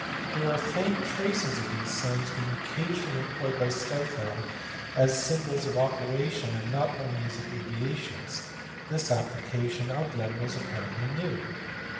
There are faint traces of these signs being occasionally employed by Stifel as symbols of operation and not only as abbreviations; this application of them was apparently new.